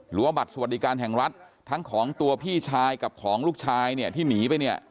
หรือว่าบัตรสวัสดิการแห่งรัฐทั้งของตัวพี่ชายกับของลูกชายเนี่ยที่หนีไปเนี่ย